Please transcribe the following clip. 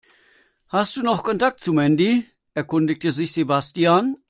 Hast du noch Kontakt zu Mandy?, erkundigte sich Sebastian.